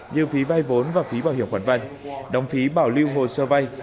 như phí vay vốn và phí bảo hiểm khoản vay đóng phí bảo lưu hồ sơ vay